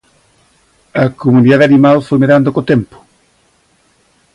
A comunidade animal foi medrando co tempo?